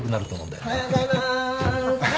おはようございます。